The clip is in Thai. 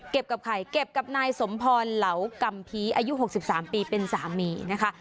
กับใครเก็บกับนายสมพรเหลากัมภีร์อายุ๖๓ปีเป็นสามีนะคะ